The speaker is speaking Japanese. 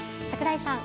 櫻井さん。